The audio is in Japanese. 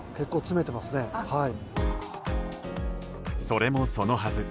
それもそのはず。